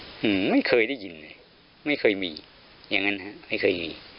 อืมไม่เคยได้ยินเลยไม่เคยมีอย่างนั้นฮะไม่เคยมี